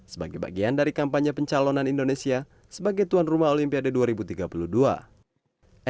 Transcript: sebagai bagian dari kampanye pencalonan indonesia sebagai tuan rumah olimpiade dua ribu tiga puluh dua